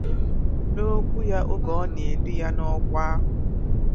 N'okwu ya oge ọ na-edu ya n'ọkwa ahụ